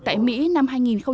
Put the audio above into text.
tại mỹ năm hai nghìn một mươi năm